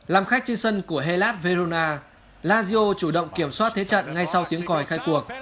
làm khách trên sân của helat verona lagio chủ động kiểm soát thế trận ngay sau tiếng còi khai cuộc